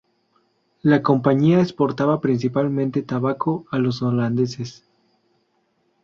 La compañía exportaba principalmente tabaco a los holandeses.